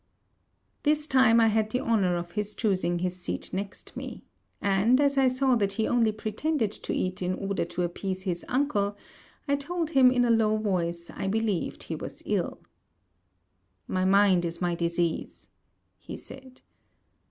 This time I had the honour of his choosing his seat next me; and, as I saw that he only pretended to eat in order to appease his uncle, I told him in a low voice I believed he was ill. 'My mind is my disease,' he said.